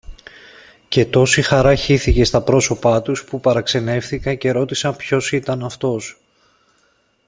Και τόση χαρά χύθηκε στα πρόσωπα τους, που παραξενεύθηκα και ρώτησα ποιος ήταν αυτός.